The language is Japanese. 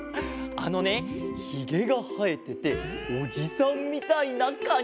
あのねヒゲがはえてておじさんみたいなカニ。